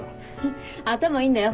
頭いいんだよ。